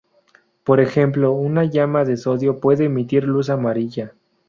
Por ejemplo un llama de sodio puede emitir luz amarilla.